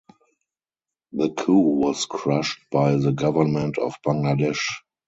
The coup was crushed by the government of Bangladesh.